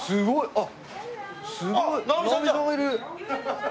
あっ！